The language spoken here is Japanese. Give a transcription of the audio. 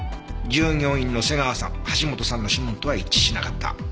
従業員の瀬川さん橋本さんの指紋とは一致しなかった。